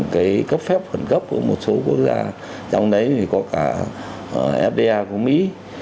cái cấp phép khẩn cấp của một số quốc gia trong đấy thì có cả fda của mỹ